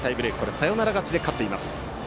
サヨナラ勝ちで勝っています。